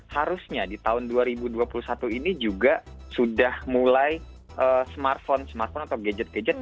harusnya di tahun dua ribu dua puluh satu ini juga sudah mulai smartphone smartphone atau gadget gadget